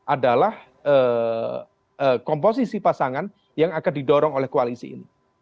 adalah komposisi pasangan yang akan didorong oleh koalisi ini